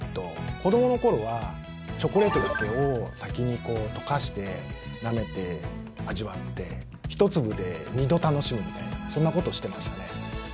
子どもの頃はチョコレートだけを先に溶かしてなめて、味わって１粒で２度楽しむみたいなそんなことをしていましたね。